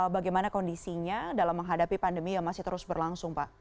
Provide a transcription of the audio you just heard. bagaimana kondisinya dalam menghadapi pandemi yang masih terus berlangsung pak